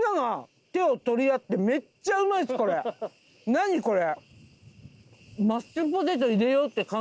何これ。